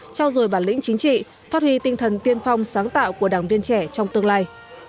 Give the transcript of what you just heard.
trao dồi bản lĩnh chính trị phát huy tinh thần tiên phong sáng tạo của đảng viên trẻ trong tương lai